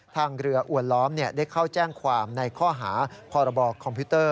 ทางเรืออวรล้อมได้เข้าแจ้งความในข้อหาพค